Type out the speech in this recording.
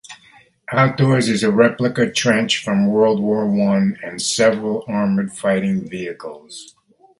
Outdoors is a replica trench from World War One, and several armoured fighting vehicles.